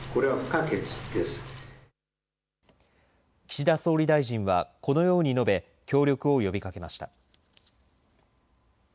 岸田総理大臣はこのように述べ協力を呼びかけました。